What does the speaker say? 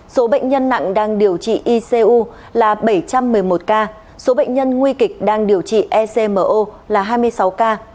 số bệnh nhân nặng đang điều trị icu là bảy trăm một mươi một ca số bệnh nhân nguy kịch đang điều trị ecmo là hai mươi sáu ca